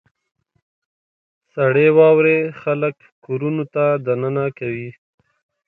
• سړې واورې خلک کورونو ته دننه کوي.